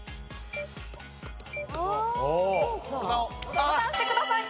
ボタン押してください。